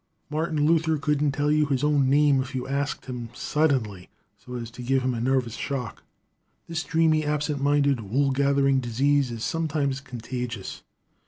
Martin Luther couldn't tell you his own name if you asked him suddenly, so as to give him a nervous shock. This dreamy, absent minded, wool gathering disease is sometimes contagious.